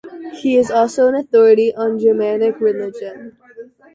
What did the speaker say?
He is also an authority on Germanic religion.